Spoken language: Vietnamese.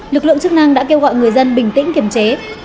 lực lượng chức năng đã kêu gọi người dân bình tĩnh kiểm chế